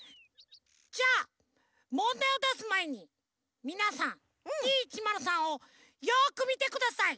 じゃあもんだいをだすまえにみなさんＤ１０３をよくみてください。